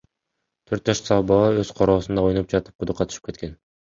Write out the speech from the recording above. Төрт жаштагы бала өз короосунда ойноп жатып кудукка түшүп кеткен.